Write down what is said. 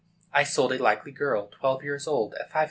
I sold a likely girl, twelve years old, at $500.